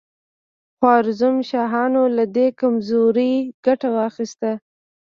خوارزم شاهانو له دې کمزورۍ ګټه واخیسته.